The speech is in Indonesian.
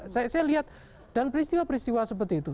saya lihat dan peristiwa peristiwa seperti itu